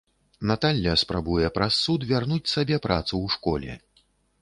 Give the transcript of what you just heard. Наталля спрабуе праз суд вярнуць сабе працу ў школе.